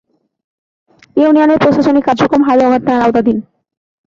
এ ইউনিয়নের প্রশাসনিক কার্যক্রম হালুয়াঘাট থানার আওতাধীন।